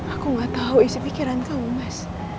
aku gak tahu isi pikiran kamu mas